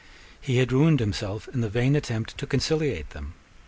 He had ruined himself in the vain attempt to conciliate them.